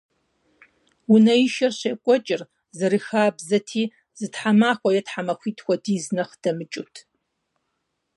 Унэишэр щекӀуэкӀыр, зэрыхабзэти, зы тхьэмахуэ е тхьэмахуитӀ хуэдиз нэхъ дэмыкӀыут.